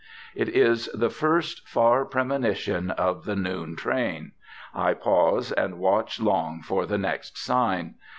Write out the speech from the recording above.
It is the first far premonition of the noon train; I pause and watch long for the next sign.